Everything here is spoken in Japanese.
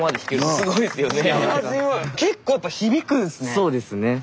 そうですね。